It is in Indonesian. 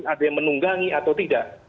ada yang menunggangi atau tidak